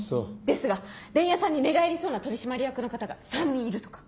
ですが伝弥さんに寝返りそうな取締役の方が３人いるとか。